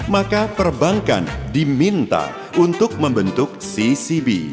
maka perbankan diminta untuk membentuk ccb